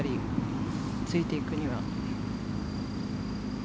ついていくには。